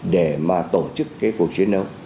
để mà tổ chức cái cuộc chiến đấu